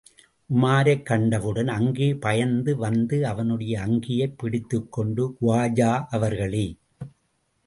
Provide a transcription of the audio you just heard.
உமாரைக் கண்டவுடன், அங்கே பாய்ந்து வந்து, அவனுடைய அங்கியைப் பிடித்துக் கொண்டு, குவாஜா அவர்களே!